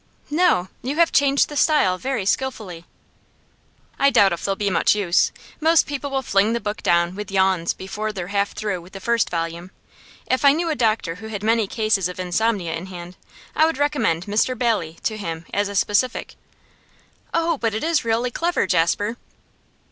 'No. You have changed the style very skilfully.' 'I doubt if they'll be much use. Most people will fling the book down with yawns before they're half through the first volume. If I knew a doctor who had many cases of insomnia in hand, I would recommend "Mr Bailey" to him as a specific.' 'Oh, but it is really clever, Jasper!